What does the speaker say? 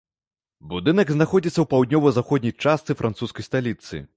Будынак знаходзіцца ў паўднёва-заходняй частцы французскай сталіцы.